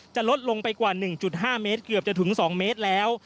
จะลดลงไปกว่า๑๕เมตรเกือบจะถึง๒เมตรแล้ว